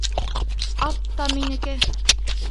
Ат та минеке!